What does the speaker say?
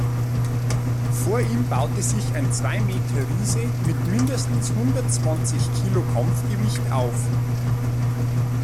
Vor ihm baute sich ein Zwei-Meter-Riese mit mindestens hundertzwanzig Kilo Kampfgewicht auf.